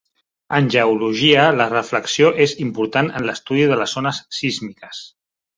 En geologia, la reflexió és important en l'estudi de les ones sísmiques.